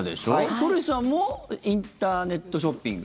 古市さんもインターネットショッピング？